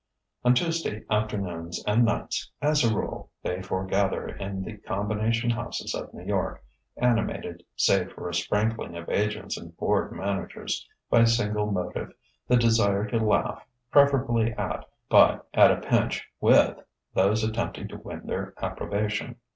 On Tuesday afternoons and nights (as a rule) they foregather in the "combination houses" of New York, animated (save for a sprinkling of agents and bored managers) by a single motive, the desire to laugh preferably at, but at a pinch with, those attempting to win their approbation.